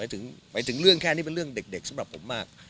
หมายถึงเรื่องแค่นี้เป็นเรื่องเด็กสำหรับผมมาก